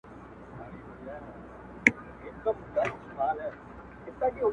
• نه فریاد یې له ستړیا سو چاته کړلای -